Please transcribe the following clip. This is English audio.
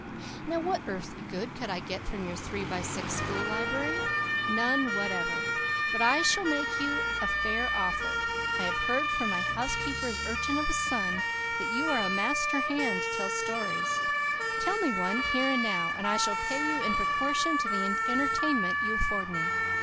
Now, what earthly good could I get from your three by six school library? None whatever. But I shall make you a fair offer. I have heard from my housekeeper's urchin of a son that you are a 'master hand' to tell stories. Tell me one, here and now. I shall pay you in proportion to the entertainment you afford me.